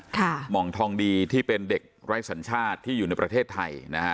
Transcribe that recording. หม่องทองดีที่เป็นเด็กไร้สัญชาติที่อยู่ในประเทศไทยนะฮะ